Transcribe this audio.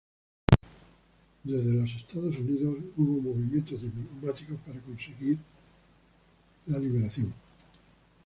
Desde los Estados Unidos hubo movimientos diplomáticos para conseguir si liberación.